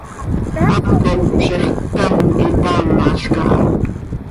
Hap cop ziix ccam quitaamalca ha.